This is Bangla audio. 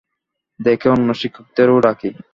দেখে অন্য শিক্ষকদেরও ডাকি।